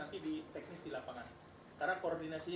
nanti di teknis di lapangan karena koordinasi